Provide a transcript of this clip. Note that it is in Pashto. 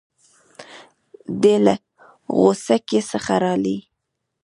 دی له غوڅکۍ څخه رالی.